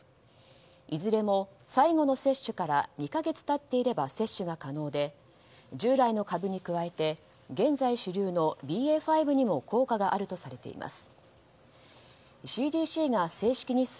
いずれも最後の接種から２か月経っていれば接種が可能で従来の株に加えて現在主流のＢＡ．５にも効果があるとされています。